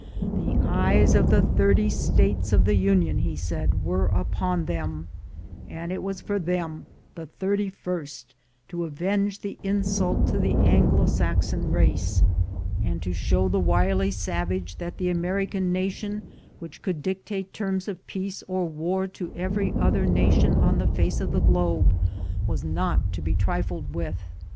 The eyes of the thirty States of the Union, he said, were upon them; and it was for them, the thirty first, to avenge this insult to the Anglo Saxon race, and to show the 136 THE GOLD HUNTERS wily savage that the American nation, which could dictate terms of peace or war to every other nation on the face of the globe, was not to be trifled with.